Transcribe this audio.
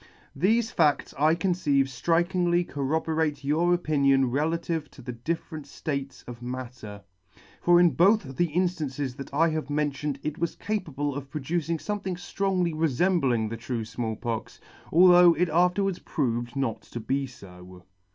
Thefe fads I conceive ftrikingly corroborate your opinion relative to the different flates of matter ; for in both the inftances that I have mentioned it was capable of producing fomething flrongly refembling the true Small Pox, although it afterwards proved not to be fo.